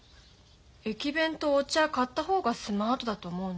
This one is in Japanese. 駅弁とお茶買った方がスマートだと思うな。